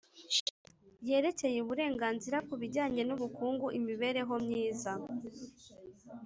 yerekeye Uburenganzira ku bijyanye n ubukungu imibereho myiza